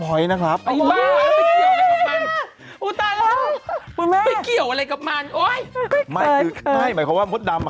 คิดว่าเธอโวยวายอะไร